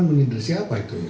menindir siapa itu ya